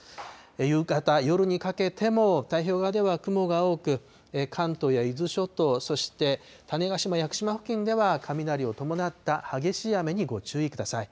夕方、夜にかけても太平洋側では雲が多く、関東や伊豆諸島、そして種子島・屋久島付近では、雷を伴った激しい雨にご注意ください。